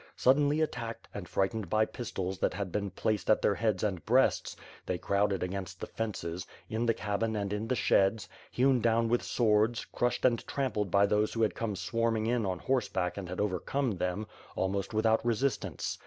Suddenly attacked, and frightened by pistols that had been placed at their heads and breasts, they crowded against the lences, in the cabin and in the sheds, hewn down with swords, crushed and trampled by those who had come swarming in on horse back and had overcome them, almost without resistance.